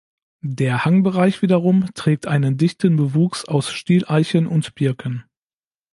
Der Hangbereich wiederum trägt einen dichten Bewuchs aus Stieleichen und Birken.